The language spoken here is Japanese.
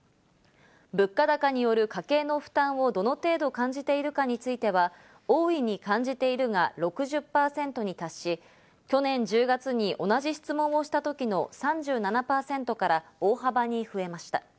物価高による家計の負担をどの程度感じているかについては、大いに感じているが６０％に達し、去年１０月に同じ質問をした時の３７％から大幅に増えました。